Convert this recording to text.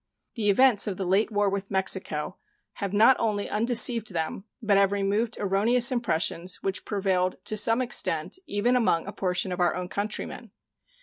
The events of the late war with Mexico have not only undeceived them, but have removed erroneous impressions which prevailed to some extent even among a portion of our own countrymen.